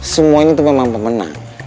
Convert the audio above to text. semuanya itu memang pemenang